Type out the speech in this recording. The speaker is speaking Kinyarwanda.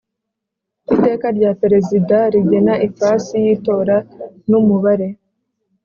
Iteka Rya Perezida Rigena Ifasi Y Itora N Umubare